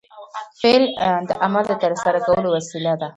فعل د عمل د ترسره کولو وسیله ده.